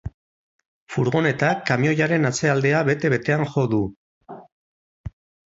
Furgonetak kamioiaren atzealdea bete-betean jo du.